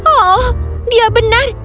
oh dia benar